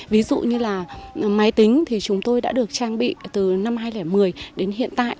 ví dụ như là máy tính thì chúng tôi đã được trang bị từ năm hai nghìn một mươi đến hiện tại